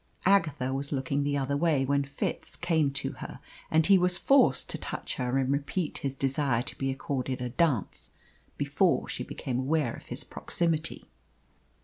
Agatha was looking the other way when Fitz came to her, and he was forced to touch her and repeat his desire to be accorded a dance before she became aware of his proximity.